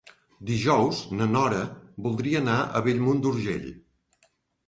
Dijous na Nora voldria anar a Bellmunt d'Urgell.